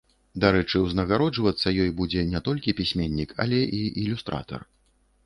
Дарэчы, узнагароджвацца ёй будзе не толькі пісьменнік, але і ілюстратар.